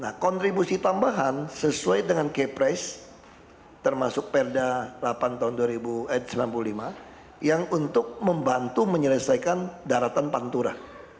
nah kontribusi tambahan sesuai dengan kepres termasuk perda delapan tahun seribu sembilan ratus sembilan puluh lima yang untuk membantu menyelesaikan daratan pantura